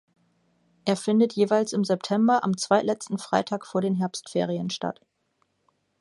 Er findet jeweils im September am zweitletzten Freitag vor den Herbstferien statt.